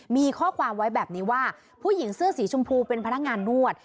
มีข้อความไว้แบบนี้ว่าผู้หญิงเสื้อสีชมพูเป็นพนักงานนวด